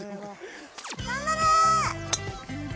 頑張れ！